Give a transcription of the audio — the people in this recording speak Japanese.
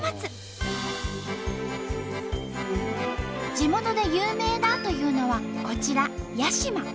地元で有名だというのはこちら屋島。